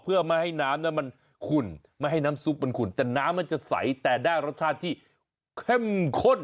เพื่อไม่ให้น้ำนั้นมันขุ่นไม่ให้น้ำซุปมันขุ่นแต่น้ำมันจะใสแต่ได้รสชาติที่เข้มข้น